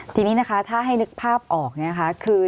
ทีนี้นะคะถ้าให้นึกภาพออกคือ